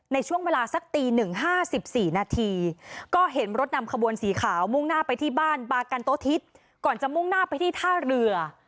ในช่วงเวลาสักตี๑๕๔นาทีก็เห็นรถนำขบวนสีขาวมุ่งหน้าไปที่บ้านบากันโต๊ทิศก่อนจะมุ่งหน้าไปที่ท่าเรือ